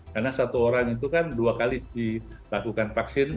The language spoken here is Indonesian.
karena satu orang itu kan dua kali dilakukan vaksin